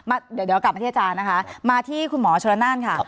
อ่ะเดี๋ยวเดี๋ยวกลับมาที่อาจารย์นะคะมาที่คุณหมอชลนั่นค่ะ